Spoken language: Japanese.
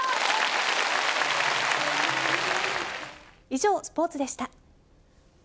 以上、スポーツでした。